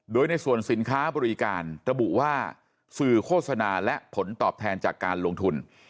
โดยในส่วนสินค้าบริการระบุว่าสื่อโฆษณาและผลตอบแทนจากการลงทุน